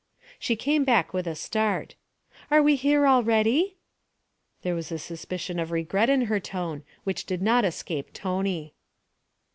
She came back with a start. 'Are we here already?' There was a suspicion of regret in her tone which did not escape Tony.